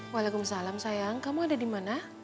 waalaikumsalam sayang kamu ada di mana